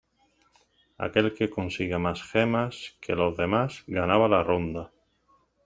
Aquel que consiga más gemas que los demás, ganaba la ronda.